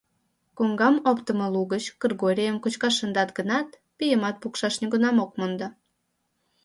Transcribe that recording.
Коҥгам оптымо лугыч Кыргорийым кочкаш шындат гынат, пийымат пукшаш нигунам ок мондо.